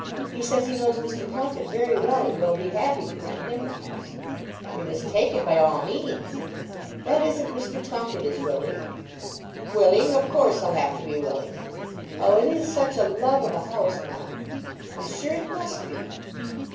He says he knows Mr. Plunket very well, and will be happy to rent him the house." "We must take it, by all means." "That is, if Mr. Plunket is willing." "Willing! Of course, he'll have to be willing." "Oh, it is such a love of a house, ma!" "I'm sure it must be."